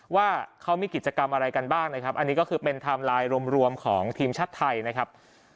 ว่าเขามีกิจกรรมอะไรกันบ้างนะครับอันนี้ก็คือเป็นไทม์ไลน์รวมของทีมชาติไทยนะครับ